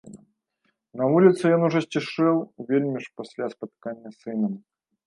На вуліцы ён ужо сцішэў, вельмі ж пасля спаткання з сынам.